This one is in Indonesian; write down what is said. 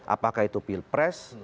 apakah itu pilpres